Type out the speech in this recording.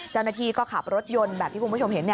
เจ้าหน้าที่ก็ขับรถยนต์แบบที่คุณผู้ชมเห็น